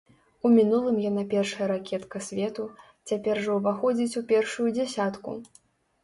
У мінулым яна першая ракетка свету, цяпер жа ўваходзіць у першую дзясятку.